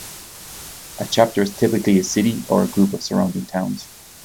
A chapter is typically a city, or a group of surrounding towns.